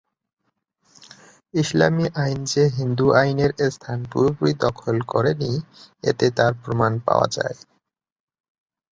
ইসলামী আইন যে হিন্দু-আইনের স্থান পুরাপুরি দখল করেনি এতে তার প্রমাণ পাওয়া যায়।